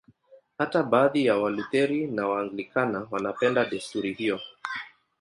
Hata baadhi ya Walutheri na Waanglikana wanapenda desturi hiyo.